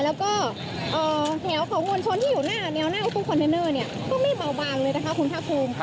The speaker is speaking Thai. แล้วก็แถวของวนชนที่อยู่แนวตู้คอนเทนเนอร์เนี่ยก็ไม่เบาบางเลยนะคะคุณท่าคลุม